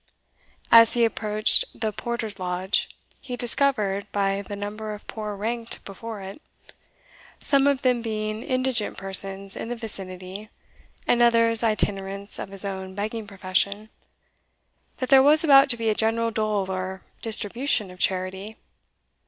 As he approached the porter's lodge, he discovered, by the number of poor ranked before it, some of them being indigent persons in the vicinity, and others itinerants of his own begging profession, that there was about to be a general dole or distribution of charity.